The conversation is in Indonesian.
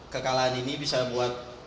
kekalahan ini bisa buat